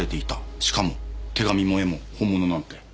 しかも手紙も絵も本物なんて。